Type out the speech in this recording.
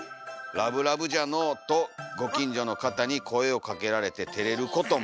「『ラブラブじゃのお』と御近所の方に声をかけられて照れることも」。